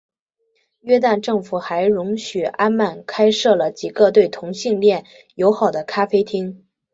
约旦政府还容许安曼开设了几个对同性恋友好的咖啡厅。